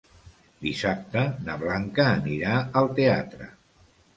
Dissabte na Blanca anirà al teatre.